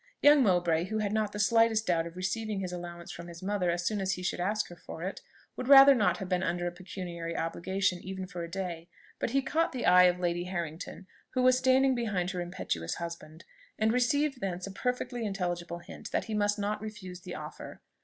Young Mowbray, who had not the slightest doubt of receiving his allowance from his mother as soon as he should ask her for it, would rather not have been under a pecuniary obligation even for a day; but he caught the eye of Lady Harrington, who was standing behind her impetuous husband, and received thence a perfectly intelligible hint that he must not refuse the offer.